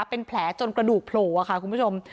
เป็นแผลจนกระดูกโผล่ค่ะคุณผู้ชม